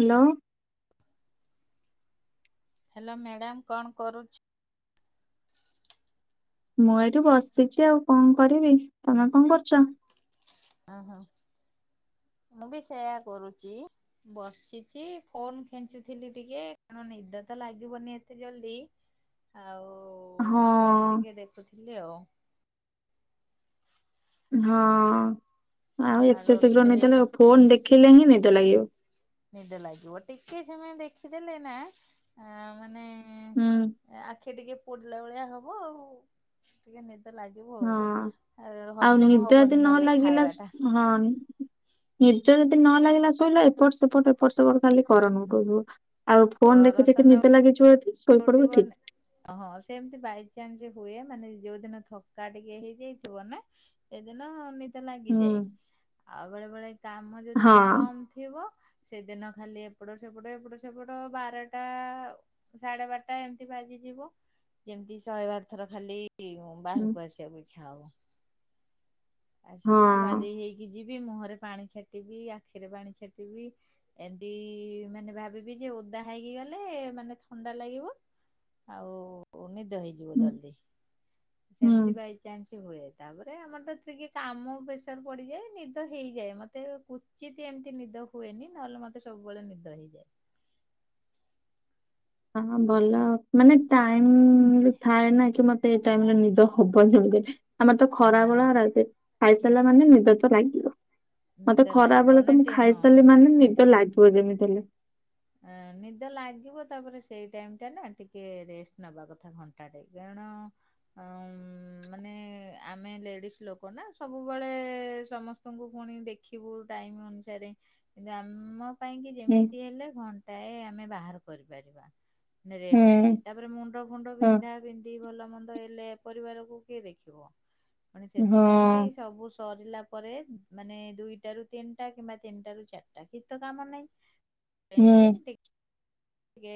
Hello. Hello madam କଣ କରୁଛ? ମୁଁ ଏଇଠି ବସିଛି ଆଉ କଣ କରିବି ତମେ କଣ କରୁଛ? ହୁଁ ହୁଁ ମୁଁ ବି ସେୟା କରୁଛି। ବସିଛି ଫୋନ ଖେଞ୍ଚୁଥିଲି ଟିକେ କାରଣ ନିଦ ତ ଲାଗିବନି ଏତେ ଜଲଦି। [inaudible] ଆଉ ହଁ ଫୋନ ଟିକେ ଦେଖୁଥିଲି ଆଉ। ହଁ ଆଉ ଏତେ ଶୀଘ୍ର ନିଦ ଲାଗିବ ଫୋନ ଦେଖିଲେ ହିଁ ନିଦ ଲାଗିବ। ନିଦ ଲାଗିବ ଟିକେ ସମୟ ଦେଖିଦେଲେ ନା ଆ ମାନେ ହୁଁ। ଆଖି ଟିକେ ପୋଡିଲା ଭଳିଆ ହବ ଆଉ ଟିକେ ନିଦ ଲାଗି [unintelligible] ବ ଆଉ ହଁ ଆ ଆଉ ନିଦ ହଜମ ଯଦି ହବନି ନ ନହେଲେ ଲାଗିଲା ଖାଇବା ଟା। ହଁ। ନିଦ ଯଦି ନ ଲାଗିଲା ଶୋଇଲା ଏପଟ ସେପଟ ଏପଟ ସେପଟ ଖାଲି କରନ [unintelligible] ଆଉ ଫୋନ କର ଦେଖି ଦେ ତ କିି ନ ନଦେ ଲାଗିଛିିବ [unintelligible] ଓହଁ ସେ ଏମିତି ବାଇଚନ୍ସ ହୁଏ ମାନେ ଯୋଉଦିନ ଥକା ଟିକେ ହେଇଯାଇଥିବ ନା ସେଦିନ ନି ତ ହୁଁ ଲାଗିଯାଏ, ଆଉ ବେଳେ ବେଳେ କାମ ଯୋଉ ହଁ ଦିନ କମ ଥିବ ସେଦିନ ଖାଲି ଏପଟ ସେପଟ ଏପଟ ସେପଟ ବାରଟା ସାଢେ ବାରଟା ଏମିତି ବାଜିଯିବ ଯେମିତି ଶହେ ବାର ଥର ଖାଲି ବାହାରକୁ ଆସିବା ଇଚ୍ଛା [unintelligible] ହଁ ଆସିକି ଧୁଆ ଦେଇ ହେଇକି ଯିବି ମୁହଁରେ ପାଣି ଛାଟିବି ଆଖିରେ ପାଣି ଛାଟିବି। ଏମିତି ମାନେ ଭାବିବି ଯେ ଓଦା ହେଇକି ଗଲେ ମାନେ ଥଣ୍ଡା ଲାଗିବ ଆଉ ନିଦ ହେଇଯିବ ହୁଁ ଜଲଦି ହୁଁ ସେମିତି ପାଇ ଚେଞ୍ଚ ହୁଏ ତାପରେ ଆମର ତ ତିକିଏ କାମ ପ୍ରେସର ପଡିଯାଏ ନିଦ ହେଇଯାଏ ମତେ ପୁ ସିଏତି ଏମିତି ନିଦ ହୁଏନି ନହେଲେ ମତେ ସବୁବେଳେ ନିଦ ହେଇଯାଏ। ହଁ ଭଲ ଆଉ ମାନେ ଟାଇମ ବି ଥାଏ ନା କି ମ ସେଇ ଟାଇମ ରେ ନିଦ ହବନି ଜଲ୍ଦି ଆମର ତ ଖରା ହଁ ଭଳା ରା ଖାଇସାରିଲା ମାନେ ନିଦ ତ ଲାଗିଲ ମତେ ନିଦ ଲାଗିବ ଖରାବେଳେ ତ ମୁଁ ଅନେଟେ ହଁ ଖାଇସାରିଲି ମାନେ ନିଦ ଲାଗି ପୁଅ ଯେମି ଥିଲେ। ନିଦ ଲାଗିବ ତାପରେ ସେଇ ଟାଇମ ଟା ନା ଟିକେ ରେଷ୍ଟ ନବା କଥା ଘଣ୍ଟା ଟେ କାରଣ। ଅଁ ମାନେ ଆମେ ଲେଡିଜ ଲୋକ ନା ସବୁବେଳେ ସମସ୍ତଙ୍କୁ ପୁଣି ଦେଖ ଦେଖିବୁ ଟାଇମ ଅନୁସାରେ କିନ୍ତୁ ଆମ ପାଇଁ କି ହୁଁ ଯେମିତି ହେଲେ ଘଣ୍ଟାଏ ଆମେ ବାହାର କରିପାରିବା। ରେଷ୍ଟ ପାଇଁ ହୁଁ ତାପରେ ମୁଣ୍ଡ ଫୁଣ୍ଡ ବିନ୍ଧା ହଁ ବିନ୍ଧ ଦି ଭଲ ମନ୍ଦ ହେଲେ ପରିବାରକୁ କିଏ ଦେଖିବ। ପୁଣି ସେଥିପାଇଁ କି ହଁ। ସବୁ ସରିଲା ପରେ ମାନେ ଦୁଇଟାରୁ ତିନଟା କିମ୍ବା ତିନଟା ରୁ ଚାରଟା କିଛି ତ କାମ ନାଇଁ। ଏମିତି ହୁଁ ଟିକେ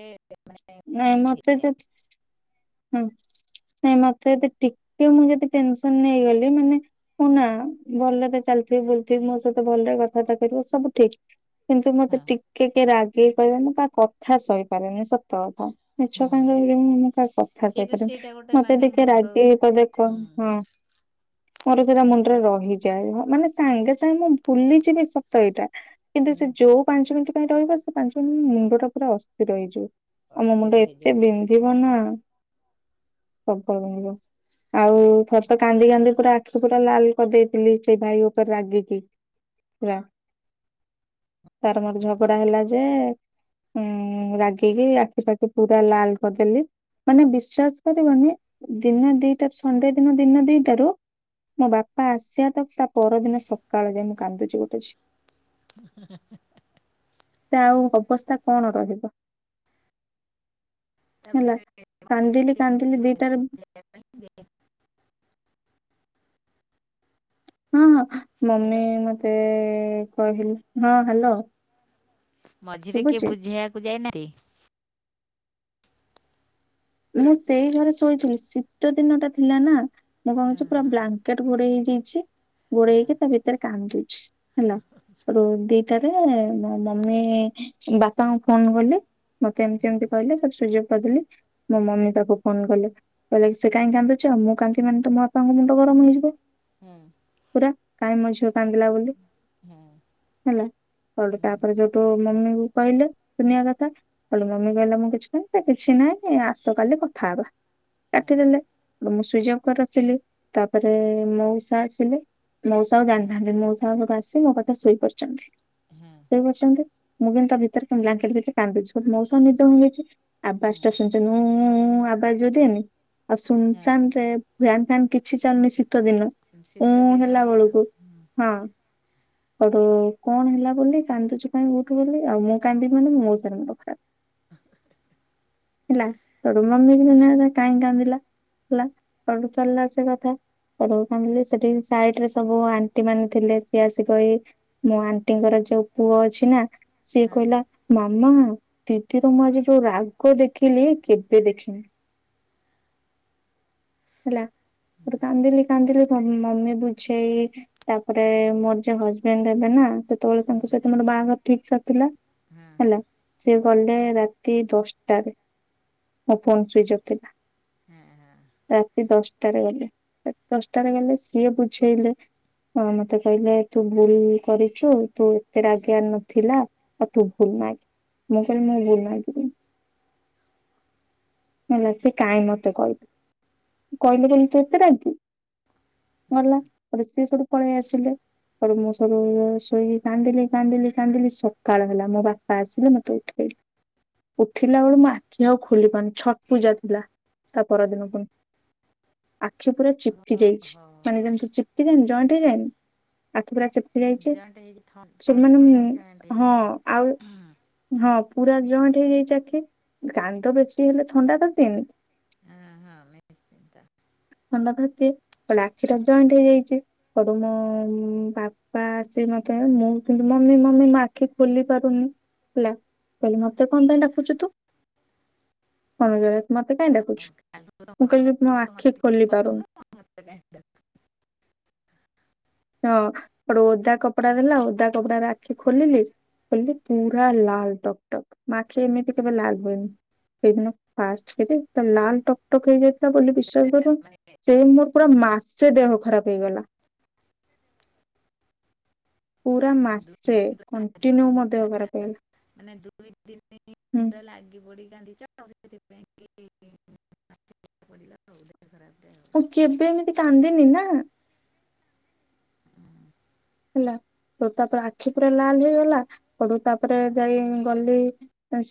ମାନେ [inaudible] ହୁଁ ନାଇଁ ମତେ ଏବେ ଟିକେ ମୁଁ ଯଦି ଟେନସନ ନେଇଗଲି ମାନେ। ମୁଁ ନା ଭଲରେ ଚାଲଥିବି ବୁଲଥିବ ମୋ ସହିତ ଭଲରେ କଥାବାର୍ତ୍ତା କରିବ ସବୁ ଠିକ। କିନ୍ତୁ ମତେ ହଁ ଟିକେ କିଏ ରାଗେଇ କହିଲେ ମୁଁ ତା କଥା ସହିପାରେନି ସ ତ ଥ ହୁଁ ମିଛ କାଇ କହିବି [unintelligible] ଖାସ ସେଇଟା ସେଇପରି ସେଇଟା ଗୋଟେ ମତେ ମାନେ ଟିକେ ମୁଣ୍ଡ ରାଗିକି କହିଲେ ହୁଁ କଣ ହଁ। ମୋର ସେଟା ମୁଣ୍ଡରେ ରହିଯାଏ ମାନେ ସାଙ୍ଗେ ସାଙ୍ଗେ ମୁଁ ଭୁଲିଯିବି ସ ତ ଏଇଟା କିନ୍ତୁ ହୁଁ ସେ ଯୋଉ ପାଞ୍ଚ ମିନିଟ୍ ପାଇଁ ରହିବ ସେ ପାଞ୍ଚ ମିନିଟ ମୁଣ୍ଡ ଟା ପୁରା ଅସ୍ଥିର ହେଇଯିବ। ଆଉ ମୋ ମୁଣ୍ଡ ଅସ୍ଥିର ହେଇଯିବ ଏତେ ବିନ୍ଧିବ ନା। ପ୍ରବଳ ବିନ୍ଧିବ ଆଉ ଥରେ ତ କାନ୍ଦି କାନ୍ଦି ପୁରା। ଆଖି ପୁରା ଲାଲ କରିଦେଇଥିଲି ସେଇ ଭାଇ ଉପରେ ରାଗିକି ପୁରା। ତାର ମୋର ଝଗଡା ହେଲା ଯେ। ଉଁ ରାଗିକି ଆଖି ପାଖି ପୁରା ଲାଲ କରିଦେଲି। ମାନେ ବିଶ୍ଵାସ କରିବନି ଦିନ ଦିଟା ସଣ୍ଡେ ଦିନ ଦିନ ଦିଟାରୁ। ମୋ ବାପା ଆସିବା ତ ତା ପରଦିନ ସକାଳ ଯାଏଁ ମୁଁ କାନ୍ଦୁଛି ଗୋଟେ ଝି ହେ ହେ। ତା ଆଉ ଅବସ୍ଥା କଣ ରହିବ। ହେଲା ତାପରେ କାନ୍ଦିଲି କାନ୍ଦିଲି ଦିଟାରେ [inaudible] ହଁ ମମି ହ୍ୟାଲୋ ମତେ କହିଲେ ହଁ ହାଲୋ। ମଝିରେ କିଏ ବୁଝେଇବାକୁ ଯାଇନାହାନ୍ତି। ମୁଁ ସେଇ ଘରେ ଶୋଇଥିଲି ଶୀତ ଦିନ ଟା ଥିଲା ନା। ମୁଁ କଣ ହଁ କରଛି ପୁରା ହଁ ବ୍ଲାଙ୍କେଟ ଘୋଡେଇ ହେଇଯାଇଛି ଘୋଡେଇ ହେଇକି ତା ଭିତରେ କାନ୍ଦୁଛି। ହେଲା ହେଡୁ ଦିଟାରେ ମୋ ମମି ବାପାଙ୍କୁ ଫୋନ କଲି। ମତେ ଏମିତି ଏମିତି କହିଲେ ତାକୁ ଶୋଈଚ୍ ଅଫ୍ କରିଦେଲି ମୋ ମମି ପାଖକୁ ଫୋନ କଲେ। କହିଲେ ସେ କାଇଁ କାନ୍ଦୁଛ ମୁଁ କାନ୍ଦିବି ମାନେ ତ ମୋ ବାପାଙ୍କ ମୁଣ୍ଡ ଗରମ ହେଇଯିବ। ହଁ ହଁ ପୁରା କାହିଁ ମ ଝିଅ କାନ୍ଦିଲା ବୋଲି ହଁ ହେଲା। କହିଲେ ତାପରେ ଯୋଉଠୁ ମମି କୁ କହିଲେ ଦୁନିଆ କଥା। ହେଠୁ ମମି କହିଲେ ମୁଁ କିଛି କହିନି ସେ କିଛି ନାହିଁ ଆସ କାଲି କଥା ହବା। ହଁ କାଟିଦେଲେ ମୁଁ ସୁଇଚ ଅଫ୍ କରି ରଖିଲି ତାପରେ ମଉସା ଆସିଲେ। ମଉସା ଆଉ ହଁ। ଜାଣିନାହାନ୍ତି ମଉସା ଆସି ମୋ ପାଖରେ ଶୋଇପଡିଛନ୍ତି। ହଁ ଛନ୍ତି ମୁଁ କିନ୍ତୁ ତା ଭିତରେ ବ୍ଲାଙ୍କେଟ ଭିତରେ କାନ୍ଦୁଛି ମଉସାଙ୍କ ନିଦ ଭାଙ୍ଗିଛି ଆବାଜ୍ ହଁ ଟା ସେଠୁ ମୁଁ ଆବାଜ ଯୋଉ ଦିଏନି। ଆଉ ହଁ ସୁନସାନରେ ଫ୍ୟାନ ଫ୍ୟାନ କିଛି ଚାଲୁନି ଶୀତ ଦିନ ଉଁ ଶୀତ ଦିନ ହେଲା ବେଳକୁ ହଁ ହଁ। ସେଠୁ କଣ ହେଲା ବୋଲି କାନ୍ଦୁଚ କାଇଁ ଉଠୁ ବୋଲି ଆଉ ମୁଁ କାନ୍ଦିବି ମାନେ ମୋ ମଉସା କାନ୍ଦିପକାନ୍ତି। ହେଲା ତୁ ମମି କଇଲା କାଇଁ କାନ୍ଦିଲା ହେଲା ସେଠୁ ଚାଲିଲା ସେ କଥା କ ସେଠି ସାଇଡରେ ସବୁ ଆଣ୍ଟି ମାନେ ଥିଲେ ସିଏ ଆସି କହି ମୋ ଆଣ୍ଟିଙ୍କର ଯୋଉ ପୁଅ ଅଛି ନା ସିଏ ହଁ କହିଲା ମାମା ଦିଦିର ମୁଁ ଆଜି ଯୋଉ ରା ରାଗ ଦେଖିଲି କେବେ ଦେଖିନି ହେଲା। ତାପରେ କାନ୍ଦିଲି କାନ୍ଦିଲି ମମି ବୁଝେଇ ତାପରେ ମୋର ଯେ ହଜବେଣ୍ଡ ହେବେ ନା ସେତେବେଳେ ହଁ ତାଙ୍କ ସହିତ ମୋର ବାହାଘର ଠିକି ସରିଥିଲା। ହଁ ହେଲା ସେ ଗଲେ ରାତି ଦଶ ଟାରେ ମୋ ଫୋନ ସୁଇଚ ଅଫ୍ ଥିଲା। ଏ ହଁ। ରାତି ଦଶଟାରେ ଗଲେ ଦଶଟାରେ ଗଲେ ସିଏ ବୁଝେଇଲେ। ମତେ କହିଲେ ତୁ ଭୁଲ କରିଛୁ ତୁ ଏତେ ରାଗିବାର ନଥିଲା। ଆଉ ତୁ ଭୁଲମାଗେ ମୁଁ କହିଲି ମୁଁ ଭୁଲମାଗିବିନି। ହେଲା ସେ କାହିଁ ମତେ କହିବେ କହିଲେ ବୋଲି ତୁ ଏତେ ରାଗିବୁ। ହଁ ମଲା ସିଏ ସେଠୁ ପଳେଇ ଆସିଲେ। ଏଠୁ ମୁଁ ସବୁ ଶୋଇକି କାନ୍ଦିଲି କାନ୍ଦିଲି କାନ୍ଦିଲି ସକାଳ ହେଲା ମୋ ବାପା ଆସିଲେ ମତେ ଉ ଠେଇଲେ ଉଠିଲା ବେଳୁ ମୋ ଆଖି ଆଉ ଖୋଲି ପାରୁନି। ଛଟ୍ ପୂଜା ଥିଲା ତା ପରଦିନ ପୁଣି। ଆଖି ପୁରା ଚିପିକି ଯାଇଛି ଓହୋ ମାନେ ଯେମିତି ଚିପିକି ଯାଏନି ଜଏଣ୍ଟ ହେଇଯାଏନି। ଆଖିପୁରା ଚିପକି ଯାଇଛି ଜଏଣ୍ଟ ହେଇକି ଥଣ୍ଡା ସେମାନେ ଫଣ୍ଡାକୁ ଜଏଣ୍ଟ ହଁ ହେଇଯାଏ ଆଉ ହଁ ହଁ ପୁରା ଜଏଣ୍ଟ ହେଇଯାଇଛି ଆଖି କାନ୍ଦ ବେଶୀ ହେଲେ ଥଣ୍ଡା ଧରି ଦିଏନି। ହଁ ହଁ ଆମେ ଥଣ୍ଡା ଧରିଛି ପୁଣି ଆଖିଗୁରା ଜଏଣ୍ଟ ହେଇଯାଇଛି ସବୁ ମୁଁ ବା ବାପା ଆସି ମତେ ମୁଁ କିନ୍ତୁ ମମି ମମି ମୋ ଆଖି ଖୋଲି ପାରୁନି ହେଲା। କହିଲି ମତେ କଣ ପାଇଁ ଡାକୁଛୁ ତୁ ମମି କହିବ ମତେ କାହିଁ ଡାକୁଛୁ। କାଲିଠୁ ତ ମୁଁ କହିଲି ମୋ କାଲିଠୁ ତ ଆଖି ମତେ କିଛି ଖୋଲି ପାରୁନି। କହୁନୁ, ମତେ କାହିକେ ହଁ ଗୋଟେ ଓଦା କପଡା ଦେଲା ଓଦା କପଡା ଆଖି ଖୋଲିଲି। ଖୋଲିଲିପୁରା ଲାଲ ଟକ୍ ଟକ୍ ମୋ ଆଖିକେବେ ଏମିତିଲାଲ ହୁଏନି। ସେଦିନ ଫାଷ୍ଟ କିରି ଲାଲ ଟକ୍ ଟକ ହେଇଯାଇଥିଲା ବୋଲି ଏଇଟା ବିଶ୍ଵାସ କର। ସେଇ ମୋର ପୁରା ମାସେ ଦେହ ଖରାପ ହେଇଗଲା। ପୁରା ମାନେ ଦୁଇ ଦିନ ମାସେ ପୁରା ଲାଗି କଣ୍ଟିନ୍ୟୁ ମୋର ପଡିଲା, ଦେହ ଖରାପ ହୋଇଗଲା। ମାନେ ଦୁଇ ତିନି ଦିନ ଲାଗି ପଡି କାନ୍ଦିଛ ସେଥିପାଇଁ କି ପଡିଲାତ ଦେହ ଖରାପରେ। ମୁଁ କେବେ ଏମିତି କାନ୍ଦିନି ନା? ହେଲା ତାପରେ ଆଖି ପୁରା ଲାଲ ହେଇଗଲା ପଡୁ ତାପରେ ହଁ ଯାଇ ଗଲି।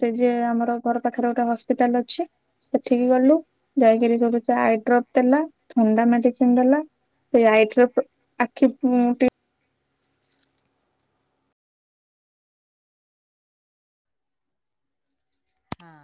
ସେଇଠି ଯେ ଆମର ଘର ପାଖରେ ଗୋଟେ ହସ୍ପିଟାଲ ଅଛି। ସେଠିକି ହଁ ଗଲୁ ଯାଇକରି ସେଠୁ ଆଇ ଡ୍ରପ ଦେଲା ଥଣ୍ଡା ମେଡିସିନ ଦେଲା। ସେ ଆଇଡ୍ରପ ଆଖି ମୁଁ ଟିକେ ହଁ